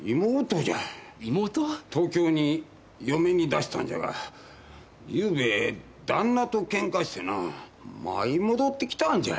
東京に嫁に出したんじゃがゆうべ旦那と喧嘩してな舞い戻ってきたんじゃい。